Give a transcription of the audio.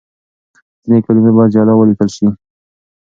ځينې کلمې بايد جلا وليکل شي.